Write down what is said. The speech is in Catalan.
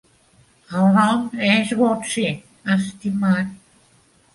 El nom és Bootsy, estimat!